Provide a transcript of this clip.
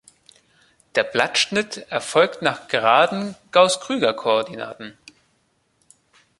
Der Blattschnitt erfolgt nach geraden Gauß-Krüger-Koordinaten.